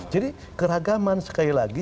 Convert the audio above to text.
jadi keragaman sekali lagi